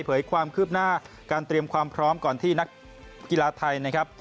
เผยความคืบหน้าการเตรียมความพร้อมก่อนที่นักกีฬาไทยนะครับ